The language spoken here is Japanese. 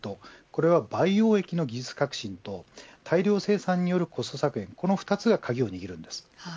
これは培養液の技術革新と大量生産によるコスト削減が鍵を握ります。